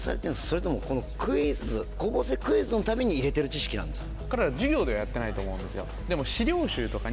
それともこのクイズ『高校生クイズ』のために入れてる知識なんですか？